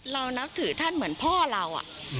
เรานักถือท่านเหมือนพ่อเราอะ